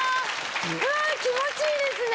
気持ちいいですね！